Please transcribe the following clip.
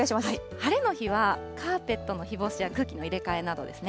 晴れの日は、カーペットの日干しや空気の入れ替えなどですね。